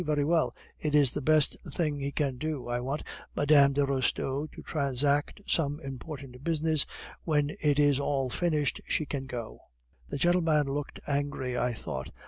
Very well, it is the best thing he can do. I want Mme. de Restaud to transact some important business, when it is all finished she can go.' The gentleman looked angry, I thought.